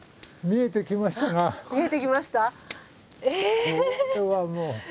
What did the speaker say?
見えてきました？え！？